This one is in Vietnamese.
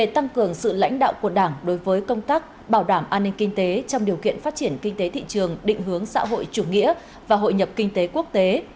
tăng cường sự lãnh đạo của đảng đối với công tác bảo đảm an ninh kinh tế trong điều kiện phát triển kinh tế thị trường định hướng xã hội chủ nghĩa và hội nhập kinh tế quốc tế